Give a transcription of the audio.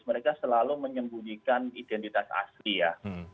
mereka selalu menyembunyikan identitas asli ya